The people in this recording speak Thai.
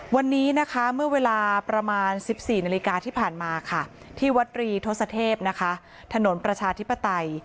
วันนี้เมื่อเวลาประมาณ๑๔นาฬิกาที่ผ่านมาที่วัตรีทศเทพถนนประชาธิปไต